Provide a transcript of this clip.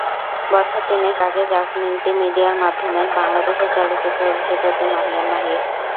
বছর তিনেক আগে জাজ মাল্টিমিডিয়ার মাধ্যমে বাংলাদেশি চলচ্চিত্রে অভিষেক ঘটে মাহিয়া মাহির।